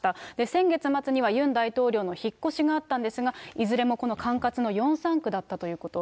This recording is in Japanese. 先月末にはユン大統領の引っ越しがあったんですが、いずれもこの管轄のヨンサン区だったということ。